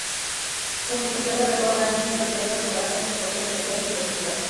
En su función de rector, ha emitido diversas declaraciones en cuestiones sociales y políticas.